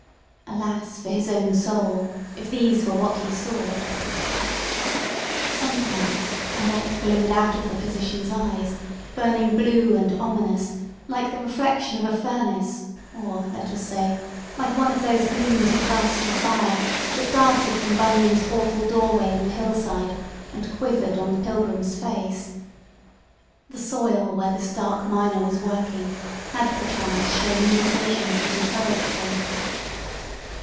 Alas, for his own soul, if these were what he sought! Sometimes a light glimmered out of the physician's eyes, burning blue and ominous, like the reflection of a furnace, or, let us say, like one of those gleams of ghastly fire that darted from Bunyan's awful doorway in the hillside, and quivered on the pilgrim's face. The soil where this dark miner was working had perchance shown indications that encouraged him.